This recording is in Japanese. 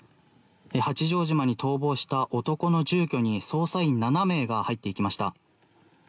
八丈島に逃亡した男の住居に捜査員７名が入っていきました。